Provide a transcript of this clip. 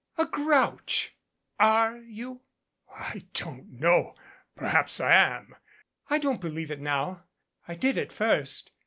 "A grouch. Are you?" "I don't know. Perhaps I am." "I don't believe it now. I did at first.